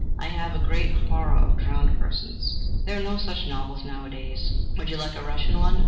I have a great horror of drowned persons." "There are no such novels nowadays. Would you like a Russian one?"